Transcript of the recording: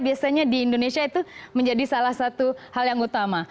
biasanya di indonesia itu menjadi salah satu hal yang utama